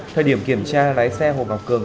thời điểm kiểm tra lái xe hồ ngọc hường